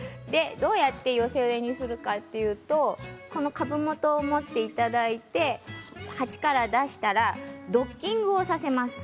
どうやって寄せ植えにするかというと株元を持っていただいて鉢から出したらドッキングをさせます。